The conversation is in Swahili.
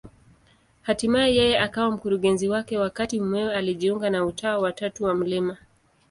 Hatimaye yeye akawa mkurugenzi wake, wakati mumewe alijiunga na Utawa wa Tatu wa Mt.